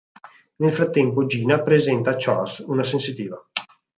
Nel frattempo Gina presenta a Charles una sensitiva.